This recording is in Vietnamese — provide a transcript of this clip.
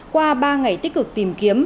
qua ba ngày tích cực tìm kiếm